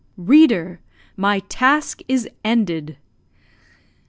Reader! my task is ended.